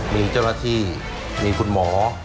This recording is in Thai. มีเจ้าหน้าที่มีคุณหมอ